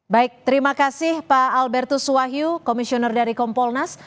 baik terima kasih pak albertus wahyu komisioner dari kompolnas